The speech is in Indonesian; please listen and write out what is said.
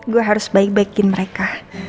gue harus baik baikin mereka